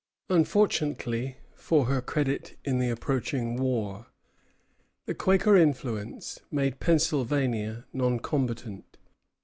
Unfortunately, for her credit in the approaching war, the Quaker influence made Pennsylvania non combatant.